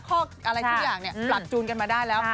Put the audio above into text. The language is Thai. อะไรทุกอย่างปรับจูนกันมาได้แล้ว